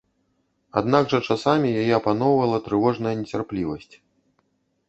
Аднак жа часамі яе апаноўвала трывожная нецярплівасць.